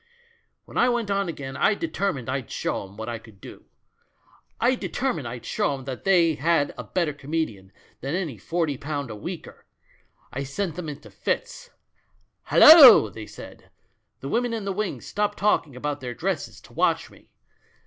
"When I went on again I determined I'd show 'em what I could do; I determined I'd show 'em they had a better comedian than any forty pound a weeker. I sent them into fits. 'Hallo!' they said. The women in the wings stopped talking about their dresses to watch me.